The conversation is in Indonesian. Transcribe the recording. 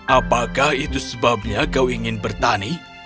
apakah itu sebabnya kau ingin bertani